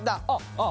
あっ。